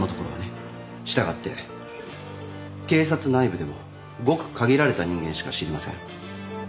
従って警察内部でもごく限られた人間しか知りません。